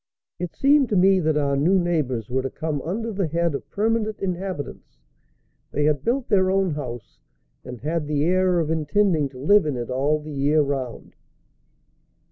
It seemed to me that our new neighbors were to come under the head of permanent inhabitants; they had built their own house, and had the air of intending to live in it all the year round.